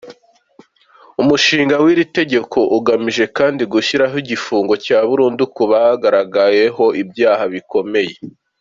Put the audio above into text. Umushinga w’iri tegeko ugamije kandi gushyiraho igifungo cya burundu ku bagaragayeho ibyaha bikomeye.